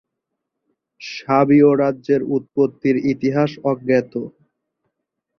সাবীয় রাজ্যের উৎপত্তির ইতিহাস অজ্ঞাত।